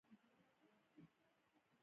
د خزان رڼا هم د دوی په زړونو کې ځلېده.